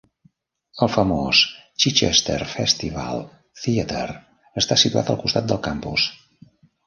El famós Chichester Festival Theatre està situat al costat del campus.